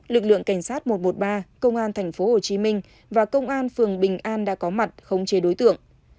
tướng cảnh sát một trăm một mươi ba công an tp hcm và công an phường bình an đã có mặt không chê đối tượng